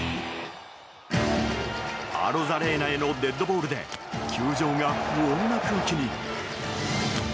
アロザレーナへのデッドボールで球場が不穏な空気に。